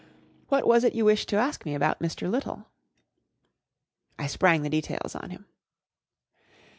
" What was it you wished to ask me about Mr. Little ?" I sprang the details on him.